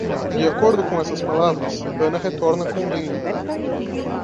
De acordo com essas palavras, Ana retorna com vinho.